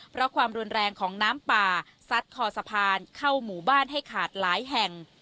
เพราะความรุนแรงของน้ำป่าซัดคอสะพานเข้าหมู่บ้านให้ขาดหลายแห่ง